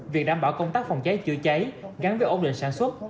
việc đảm bảo công tác phòng cháy chữa cháy gắn với ổn định sản xuất